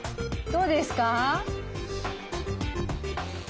どうですか？